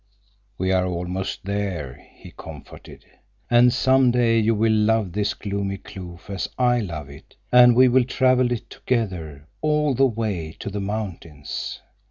"We are almost there," he comforted. "And—some day—you will love this gloomy kloof as I love it, and we will travel it together all the way to the mountains."